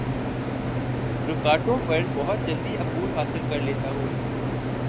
رکاوٹوں پر بہت جلدی عبور حاصل کر لیتا ہوں